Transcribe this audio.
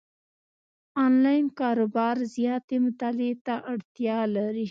انلاین کاروبار زیاتې مطالعې ته اړتیا لري،